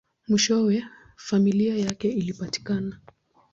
Mwishowe, familia yake ilipatikana.